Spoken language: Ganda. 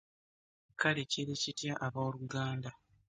Kale kiri kitya, abooluganda?